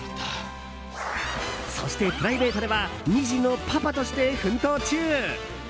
そして、プライベートでは２児のパパとして奮闘中。